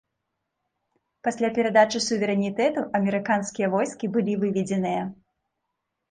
Пасля перадачы суверэнітэту амерыканскія войскі былі выведзеныя.